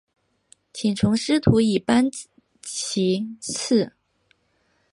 请从司徒以班徙次。